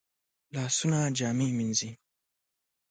لاسونه جامې وینځي